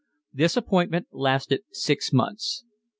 This appointment lasted six months.